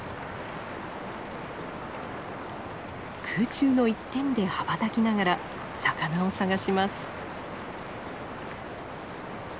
空中の一点で羽ばたきながら魚を探します。